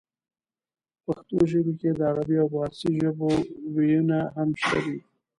پښتو ژبې کې د عربۍ او پارسۍ ژبې وييونه هم شته دي